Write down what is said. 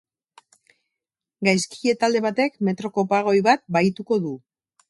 Gaizkile talde batek metroko bagoi bat bahituko du.